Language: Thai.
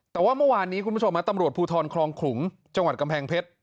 แต่ว่าเมื่อวานนี้คุณผู้ชมตำรวจภูทรคลองขลุงจังหวัดกำแพงเพชร